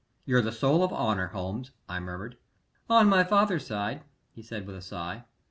"You're the soul of honor, Holmes!" I murmured. "On my father's side," he said, with a sigh.